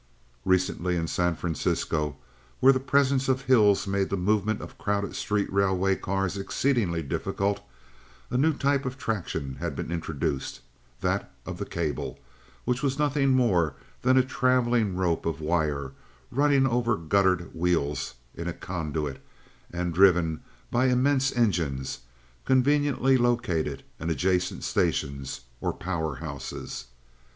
Recently in San Francisco, where the presence of hills made the movement of crowded street railway cars exceedingly difficult, a new type of traction had been introduced—that of the cable, which was nothing more than a traveling rope of wire running over guttered wheels in a conduit, and driven by immense engines, conveniently located in adjacent stations or "power houses."